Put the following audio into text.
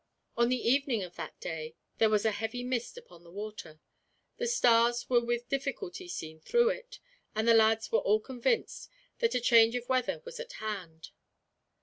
On the evening of that day there was a heavy mist upon the water. The stars were with difficulty seen through it, and the lads were all convinced that a change of weather was at hand.